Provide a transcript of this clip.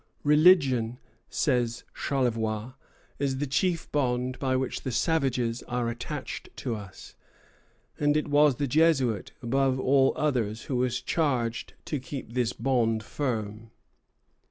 "Religion," says Charlevoix, "is the chief bond by which the savages are attached to us;" and it was the Jesuit above all others who was charged to keep this bond firm.